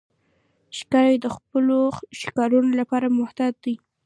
ښکاري د خپلو ښکارونو لپاره محتاط دی.